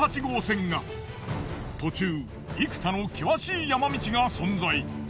途中幾多の険しい山道が存在。